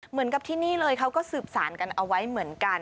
เหมือนกับที่นี่เลยเขาก็สืบสารกันเอาไว้เหมือนกัน